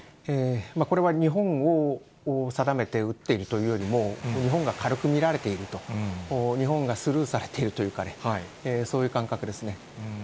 これは日本を定めて撃っているというよりも、日本が軽く見られていると、日本がスルーされているか、そういう感覚ですね。